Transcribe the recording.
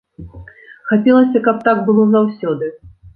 Хацелася, каб так было заўсёды.